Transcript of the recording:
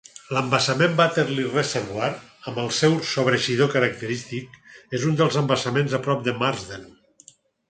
L'embassament Butterley Reservoir, amb el seu sobreeixidor característic, és un dels embassaments a prop de Marsden.